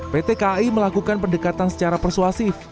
pt kai melakukan pendekatan secara persuasif